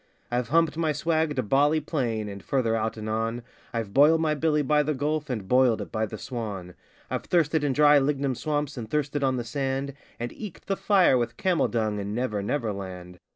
I've humped my swag to Bawley Plain, and further out and on; I've boiled my billy by the Gulf, and boiled it by the Swan I've thirsted in dry lignum swamps, and thirsted on the sand, And eked the fire with camel dung in Never Never Land.